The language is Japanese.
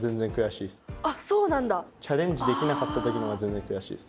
チャレンジできなかった時のほうが全然悔しいっす。